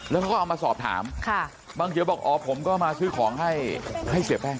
แล้วเขาก็เอามาสอบถามบางเขียวบอกอ๋อผมก็มาซื้อของให้ให้เสียแป้ง